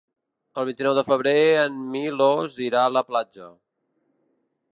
El vint-i-nou de febrer en Milos irà a la platja.